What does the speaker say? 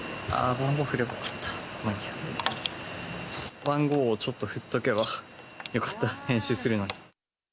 番号をちょっと振っとけばよかった、編集するのに。